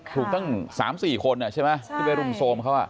ถูกตั้ง๓๔คนใช่ไหมที่ไปรุมโทรมเขา